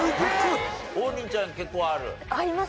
王林ちゃん結構ある？あります。